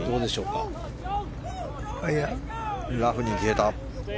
ラフに消えた。